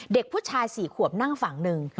เด็กผู้ชาย๔ขวบนั่งฝั่งหนึ่ง